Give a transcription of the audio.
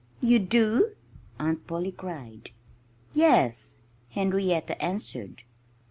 "You do?" Aunt Polly cried. "Yes!" Henrietta answered.